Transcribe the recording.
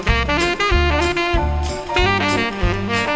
สวัสดีครับ